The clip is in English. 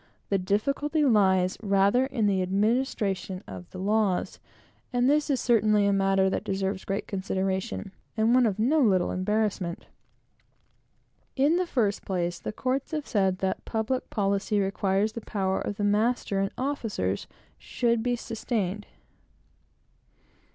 The difficulty lies rather in the administration of the laws; and this is certainly a matter that deserves great consideration, and one of no little embarrassment. In the first place, the courts have said that public policy requires the power of the master and officers should be sustained.